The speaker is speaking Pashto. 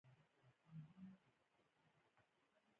دې بېلتون یا تجزیه ممکنه کړه